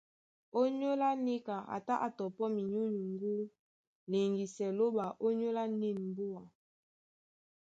Ònyólá níka a tá á tɔpɔ́ minyúnyuŋgú liŋgisɛ Lóɓa ónyólá nîn mbúa.